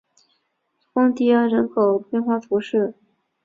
丰蒂安人口变化图示